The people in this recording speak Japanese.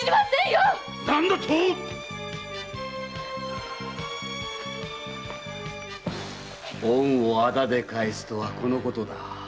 何だと⁉恩を仇で返すとはこのことだ。